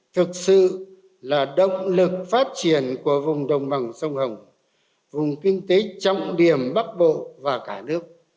thực sự là động lực phát triển của vùng đồng bằng sông hồng vùng kinh tế trọng điểm bắc bộ và cả nước